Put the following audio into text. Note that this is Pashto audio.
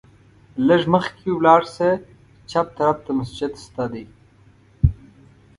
لږ مخکې ولاړ شه، چپ طرف ته مسجد شته دی.